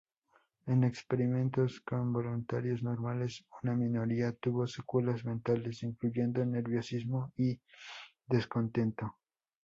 En experimentos con voluntarios normales una minoría tuvo secuelas mentales, incluyendo nerviosismo y descontento.